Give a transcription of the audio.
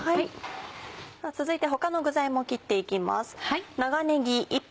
さぁ続いて他の具材も切っていきます。